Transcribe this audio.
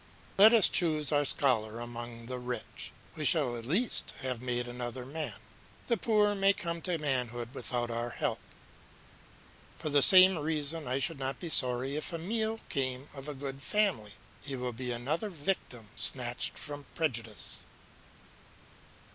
Let us choose our scholar among the rich; we shall at least have made another man; the poor may come to manhood without our help. For the same reason I should not be sorry if Emile came of a good family. He will be another victim snatched from prejudice.